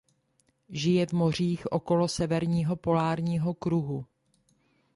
Žije v mořích okolo severního polárního kruhu.